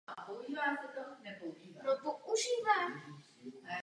Nyní potřebujeme od Evropské rady činy.